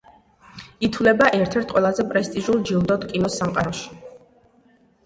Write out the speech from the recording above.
ითვლება ერთ-ერთ ყველაზე პრესტიჟულ ჯილდოდ კინოს სამყაროში.